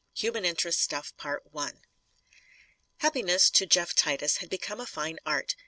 HUMAN INTEREST STUFF Happiness, to Jeff Titus, had become a fine art.